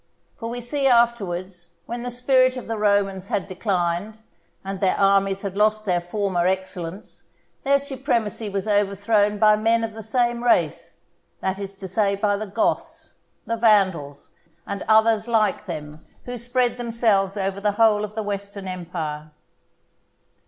For we see afterwards, when the spirit of the Romans had declined, and their armies had lost their former excellence, their supremacy was overthrown by men of the same race, that is to say by the Goths, the Vandals, and others like them, who spread themselves over the whole of the Western Empire.